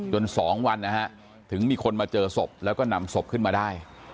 ๒วันนะฮะถึงมีคนมาเจอศพแล้วก็นำศพขึ้นมาได้